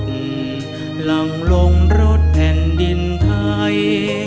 หลังลงรถแผ่นดินไทย